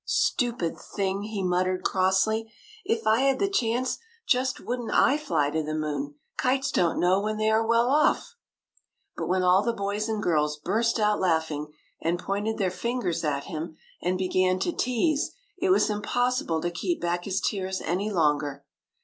" Stupid thing !" he muttered crossly. " If I had the chance, just would n't I fly to the moon ! Kites don't know when they are well off!" But when all the boys and girls burst out laughing, and pointed their fingers at him and began to tease, it was impossible to keep back his tears any longer.